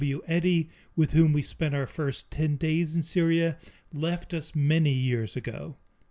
W. Eddy, with whom we spent our first ten days in Syria, left us many years ago.